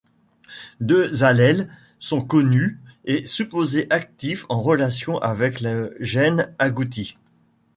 Deux allèles sont connus et supposés actifs en relation avec le gène agouti.